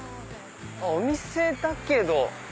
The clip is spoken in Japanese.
お店だけど。